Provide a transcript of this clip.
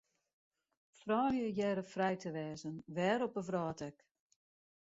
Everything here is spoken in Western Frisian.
Froulju hearre frij te wêze, wêr op 'e wrâld ek.